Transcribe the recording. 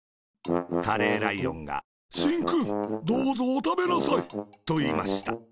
カレーライオンが「しんくん、どうぞおたべなさい。」と、いいました。